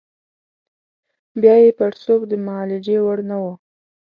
بیا یې پړسوب د معالجې وړ نه وو.